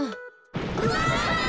うわ！